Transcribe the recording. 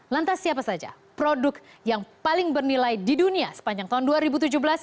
lantas siapa saja produk yang paling bernilai di dunia sepanjang tahun dua ribu tujuh belas